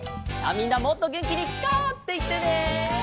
みんなもっとげんきに「カァ」っていってね。